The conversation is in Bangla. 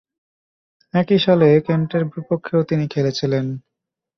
একই সালে কেন্টের বিপক্ষেও তিনি খেলেছিলেন।